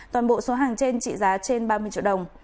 toàn bộ số hàng trên trị giá trên ba mươi triệu đồng